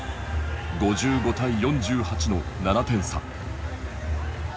５５対４８の７点差。